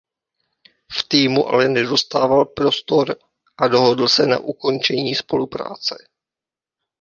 V týmu ale nedostával prostor a dohodl se na ukončení spolupráce.